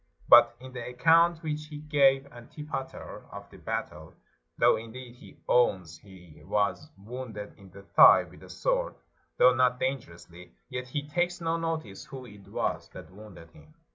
But in the account which he gave Antipater of the battle, though indeed he owns he was wounded in the thigh with a sword, though not dangerously, yet he takes no notice who it was that wounded him.